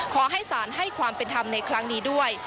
ขอให้ศาลให้ความเป็นธรรมในครั้งนี้ด้วย